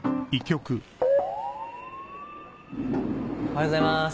おはようございます。